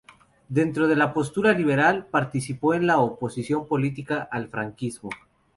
Dentro de una postura liberal, participó en la oposición política al Franquismo.